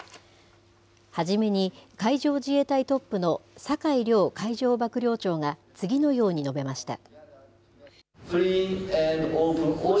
初めに、海上自衛隊トップの酒井良海上幕僚長が次のように述べました。